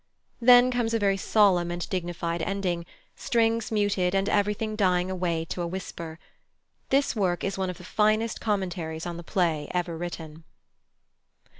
Then comes a very solemn and dignified ending, strings muted and everything dying away to a whisper. This work is one of the finest commentaries on the play ever written.